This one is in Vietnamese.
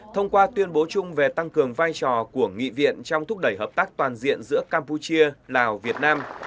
thông qua tuyên bố chung về tăng cường vai trò của nghị viện trong thúc đẩy hợp tác toàn diện giữa campuchia lào việt nam